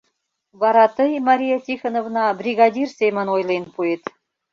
Вара тый, Мария Тихоновна, бригадир семын ойлен пуэт.